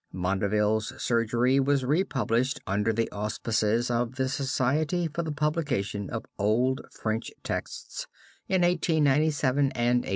Mondaville's Surgery was republished under the auspices of the Society for the Publication of old French Texts in 1897 and 1898.